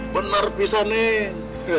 benar bisa neng